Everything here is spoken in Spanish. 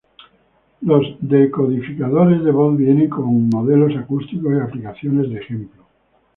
Los decodificadores de voz vienen con modelos acústicos y aplicaciones de ejemplo.